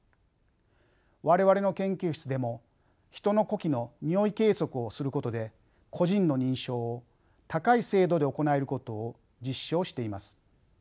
我々の研究室でも人の呼気のにおい計測をすることで個人の認証を高い精度で行えることを実証しています。